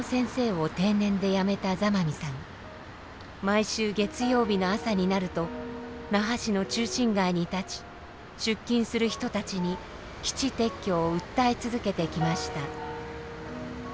毎週月曜日の朝になると那覇市の中心街に立ち出勤する人たちに基地撤去を訴え続けてきました。